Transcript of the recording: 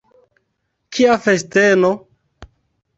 Kia festeno!